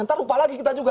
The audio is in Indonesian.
nanti lupa lagi kita juga